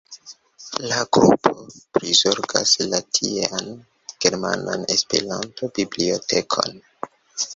La grupo prizorgas la tiean Germanan Esperanto-Bibliotekon.